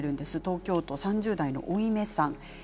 東京都３０代の方です。